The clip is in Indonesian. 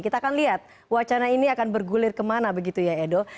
kita akan lihat wacana ini akan bergulir kemana begitu ya edo